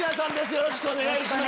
よろしくお願いします。